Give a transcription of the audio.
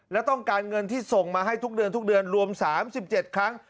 และต้องการเงินที่ส่งมาให้ทุกเดือนทุกเดือนรวม๓๗ครั้ง